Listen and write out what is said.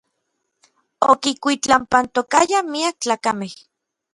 Okikuitlapantokayaj miak tlakamej.